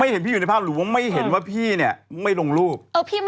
เห็นพี่อยู่ในภาพหรือว่าไม่เห็นว่าพี่เนี่ยไม่ลงรูป